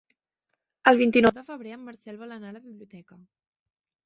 El vint-i-nou de febrer en Marcel vol anar a la biblioteca.